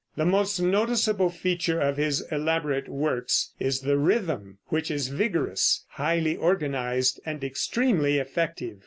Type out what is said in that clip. The most noticeable feature of his elaborate works is the rhythm, which is vigorous, highly organized and extremely effective.